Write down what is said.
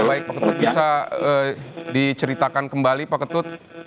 baik pak ketut bisa diceritakan kembali pak ketut